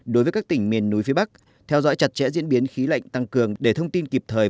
đối với các tỉnh miền núi phía bắc theo dõi chặt chẽ diễn biến khí lạnh tăng cường để thông tin kịp thời